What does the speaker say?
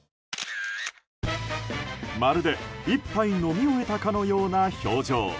まるで１杯飲み終えたかのようなこの表情。